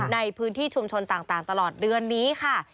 ในพื้นที่ชุมชนต่างตลอดเดือนนี้ค่ะ